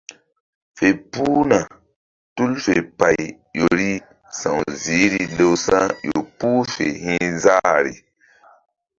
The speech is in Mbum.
Fe puhna tul fe pay ƴo ri sa̧w ziihri lewsa̧ ƴo puh fe hi̧ záhri.